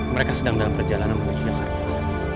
mereka sedang dalam perjalanan menunjukkan kartunya